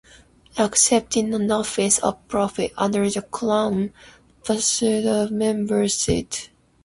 Accepting an office of profit under the Crown vacates the member's seat.